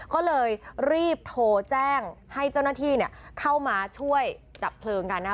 ก็เลยรีบโทรแจ้งให้เจ้าหน้าที่เข้ามาช่วยดับเพลิงกันนะ